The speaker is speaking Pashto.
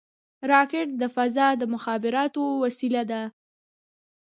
راکټ د فضا د مخابراتو وسیله ده